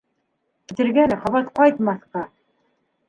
Китергә лә ҡабат ҡайтмаҫҡа!